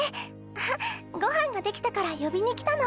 あっご飯が出来たから呼びに来たの。